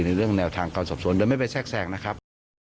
ในเรื่องแนวทางการสอบสวนโดยไม่ไปแทรกแทรงนะครับ